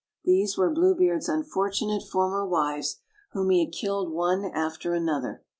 These were Blue Beard's unfortunate former wives, whom he had killed one after another.